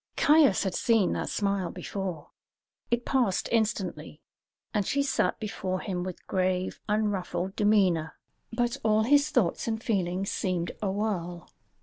Caius had seen that smile before. It passed instantly, and she sat before him with grave, unruffled demeanour; but all his thoughts and feelings seemed a whirl.